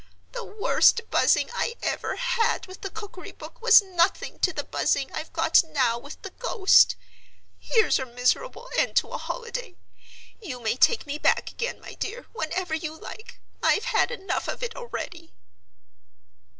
The worst Buzzing I ever had with the Cookery book was nothing to the Buzzing I've got now with the Ghost. Here's a miserable end to a holiday! You may take me back again, my dear, whenever you like—I've had enough of it already!"